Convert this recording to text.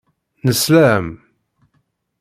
Nesla-am.